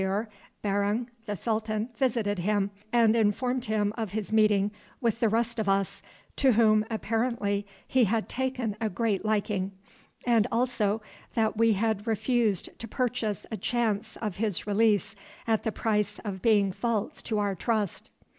Here Barung the Sultan visited him and informed him of his meeting with the rest of us, to whom apparently he had taken a great liking, and also that we had refused to purchase a chance of his release at the price of being false to our trust.